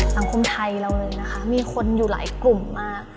สังคมไทยเราเลยนะคะมีคนอยู่หลายกลุ่มมาก